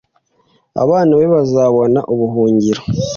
abana be bazabona ubuhungiro